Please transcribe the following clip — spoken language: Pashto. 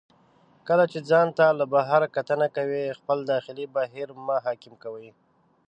کله چې ځان ته له بهر کتنه کوئ، خپل داخلي بهیر مه حاکم کوئ.